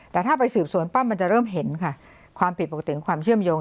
แต่ถ้าไปสืบสวนปั๊บมันจะเริ่มเห็นค่ะความผิดปกติความเชื่อมโยง